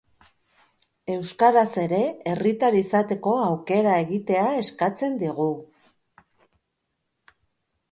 Euskaraz ere herritar izateko aukera egitea eskatzen digu.